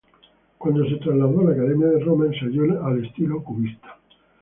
Cuando se trasladó a la Academia de Roma, ensayó en el estilo cubista.